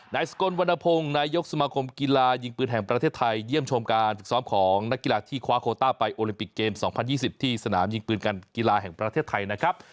นายสกลวรรณพงศ์นายกสมาคมกีฬายิงปืนแห่งประเทศไทยเยี่ยมชมการฝึกซ้อมของนักกีฬาที่คว้าโคต้าไปโอลิมปิกเกม๒๐๒๐ที่สนามยิงปืนการกีฬาแห่งประเทศไทยนะครับ